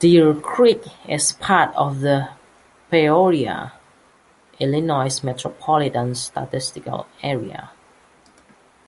Deer Creek is part of the Peoria, Illinois Metropolitan Statistical Area.